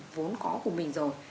vốn có của mình rồi